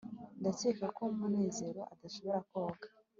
ndakeka ko munezero adashobora koga